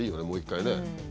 もう一回ね。